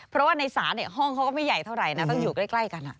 เพราะว่าในศาลห้องเขาก็ไม่ใหญ่เท่าไหร่นะต้องอยู่ใกล้กัน